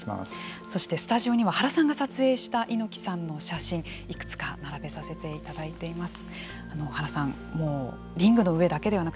そしてスタジオには原さんが撮影した猪木さんの写真いくつか並べさせていただいています。